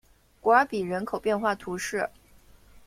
古尔比人口变化图示